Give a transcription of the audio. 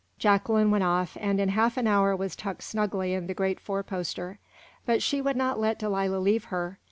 Jacqueline went off, and in half an hour was tucked snugly in the great four poster. But she would not let Delilah leave her.